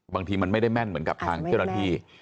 บางทีมันไม่ได้แม่นเหมือนกับทางเจ้าหน้าที่